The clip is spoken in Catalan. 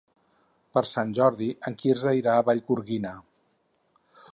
Per Sant Jordi en Quirze irà a Vallgorguina.